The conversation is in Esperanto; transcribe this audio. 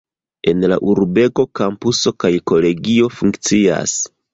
En la urbego kampuso kaj kolegio funkcias.